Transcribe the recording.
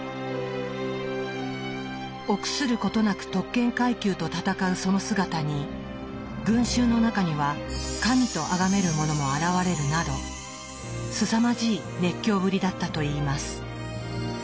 臆することなく特権階級と戦うその姿に群衆の中には神とあがめる者も現れるなどすさまじい熱狂ぶりだったといいます。